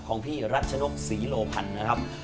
ของพี่รัชนกศรีโลพันธ์นะครับ